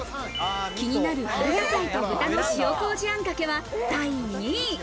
気になる春野菜と豚の塩麹あんかけは第２位。